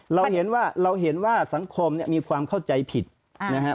เราเห็นว่าสังคมมีความเข้าใจผิดนะฮะ